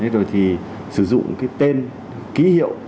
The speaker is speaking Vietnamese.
rồi sử dụng tên ký hiệu